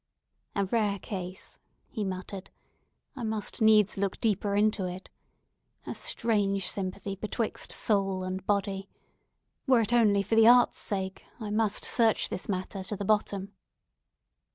"A rare case," he muttered. "I must needs look deeper into it. A strange sympathy betwixt soul and body! Were it only for the art's sake, I must search this matter to the bottom."